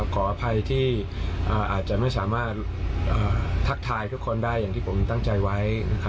ขออภัยที่อาจจะไม่สามารถทักทายทุกคนได้อย่างที่ผมตั้งใจไว้